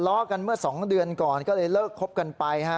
กันเมื่อ๒เดือนก่อนก็เลยเลิกคบกันไปฮะ